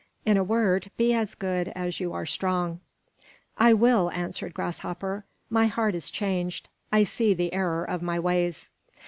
In a word, be as good as you are strong." "I will," answered Grasshopper. "My heart is changed; I see the error of my ways."